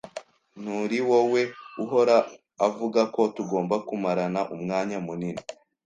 Nturiwowe uhora avuga ko tugomba kumarana umwanya munini?